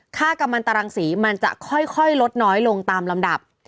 กำลังมันตรังสีมันจะค่อยลดน้อยลงตามลำดับ